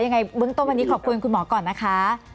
ยังไงเบื้องต้นวันนี้ขอบคุณคุณหมอก่อนนะคะ